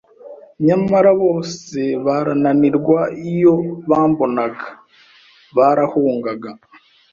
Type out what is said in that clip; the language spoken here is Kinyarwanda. nyamara bose barananirwa. Iyo bambonaga barahungaga,